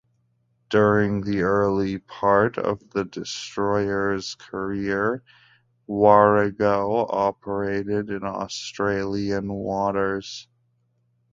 During the early part of the destroyer's career, "Warrego" operated in Australian waters.